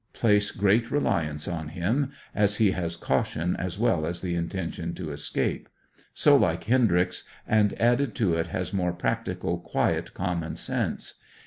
Place great reli ance in him, as he has caution as well as the intention to escape. So like Hendryx, and added to it has more practical quiet common sense.